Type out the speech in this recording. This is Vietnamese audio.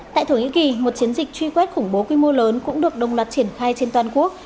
tại thổ nhĩ kỳ một chiến dịch truy quét khủng bố quy mô lớn cũng được đồng loạt triển khai trên toàn quốc